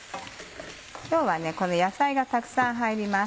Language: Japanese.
今日はこの野菜がたくさん入ります。